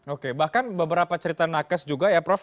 oke bahkan beberapa cerita nakes juga ya prof